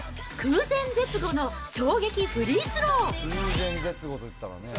空前絶後の衝撃フリースロー！